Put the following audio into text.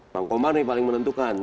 bang kumar ini paling menentukan